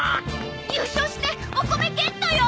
優勝してお米ゲットよ！